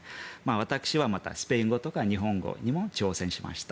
私はスペイン語とか日本語にも挑戦しました。